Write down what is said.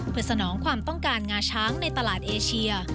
เพื่อสนองความต้องการงาช้างในตลาดเอเชีย